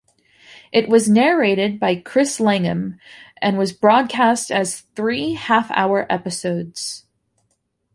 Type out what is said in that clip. It was narrated by Chris Langham, and was broadcast as three half-hour episodes.